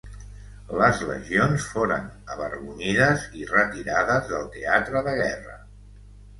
Les legions foren avergonyides i retirades del teatre de guerra.